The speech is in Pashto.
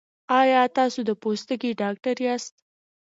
ایا تاسو د پوستکي ډاکټر یاست؟